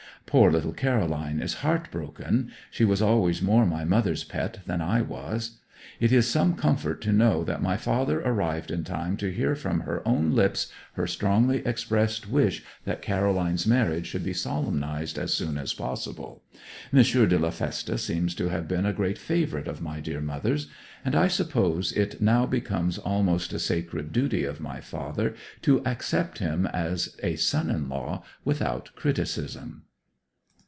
Poor little Caroline is heart broken she was always more my mother's pet than I was. It is some comfort to know that my father arrived in time to hear from her own lips her strongly expressed wish that Caroline's marriage should be solemnized as soon as possible. M. de la Feste seems to have been a great favourite of my dear mother's; and I suppose it now becomes almost a sacred duty of my father to accept him as a son in law without criticism.